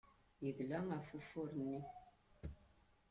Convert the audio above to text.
Yedla ɣef wufur-nni.